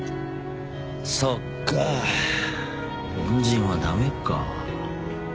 そっか凡人は駄目か